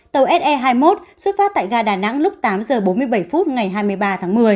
tàu se hai mươi một xuất phát tại gà đà nẵng lúc tám h bốn mươi bảy phút ngày hai mươi ba tháng một mươi